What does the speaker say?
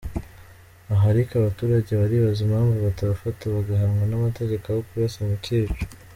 Aha ariko abaturage baribaza impamvu batabafata bagahanwa n’amategeko aho kurasa mu kico.